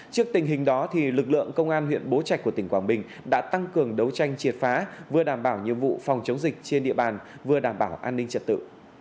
trước tình hình đó lực lượng công an huyện bố trạch của tỉnh quảng bình đã tăng cường đấu tranh triệt phá vừa đảm bảo nhiệm vụ phòng chống dịch trên địa bàn vừa đảm bảo an ninh trật tự